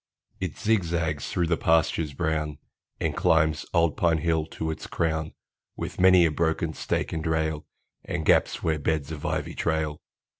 It zigzags through the pastures brown, And climbs old Pine Hill to its crown, With many a broken stake and rail, And gaps where beds of ivy trail.